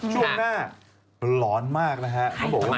ช่วงหน้าร้อนมากนะครับ